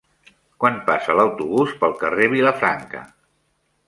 Quan passa l'autobús pel carrer Vilafranca?